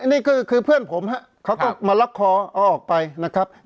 นี่คือเพื่อนผมฮะเขาก็มาลักคอเอาออกไปนะครับ